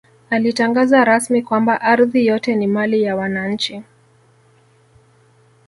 Alitangaza rasmi kwamba ardhi yote ni mali ya wananchi